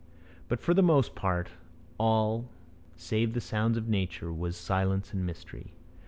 But for the most part all, save the sounds of nature, was silence and mystery.